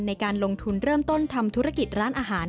ในการลงทุนเริ่มต้นทำธุรกิจร้านอาหาร